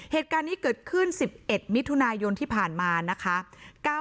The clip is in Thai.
เหตุการณ์นี้เกิดขึ้น๑๑มิถุนายนที่ผ่านมานะคะ